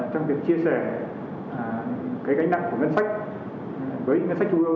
trong việc chia sẻ cái gánh nặng của ngân sách với ngân sách trung ương